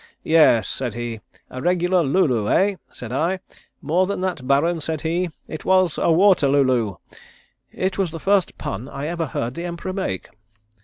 'Yes,' said he. 'A regular lu lu, eh?' said I. 'More than that, Baron,' said he. 'It was a Waterlooloo.' It was the first pun I ever heard the Emperor make."